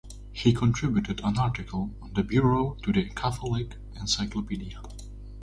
He contributed an article on the Bureau to the "Catholic Encyclopedia".